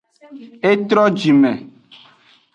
E tro jime.